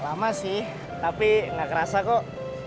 lama sih tapi nggak kerasa kok